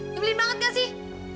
ngebelin banget gak sih